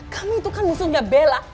kamu itu kan musuhnya bella